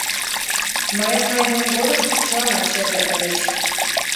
Мыйын кайымем годым чыланат черле ыльыч.